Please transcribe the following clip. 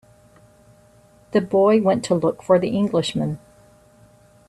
The boy went to look for the Englishman.